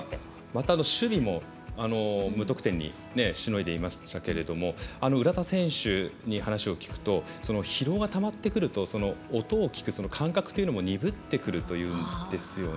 守備も無得点にしのいでいましたけど浦田選手に話を聞くと疲労がたまってくると音を聞く感覚というのも鈍ってくるというんですよね。